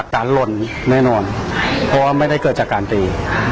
ก็มันไม่ได้เกิดจากการตี